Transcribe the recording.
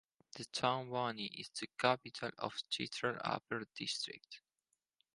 The town Buni is the capital of Chitral Upper district.